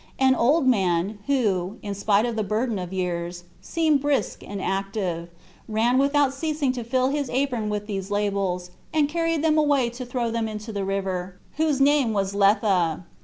An old man, who, in spite of the burden of years, seemed brisk and active, ran without ceasing to fill his apron with these labels, and carried them away to throw them into the river, whose name was Lethe.